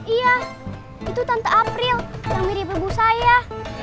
iya itu tante april yang mirip ibu saya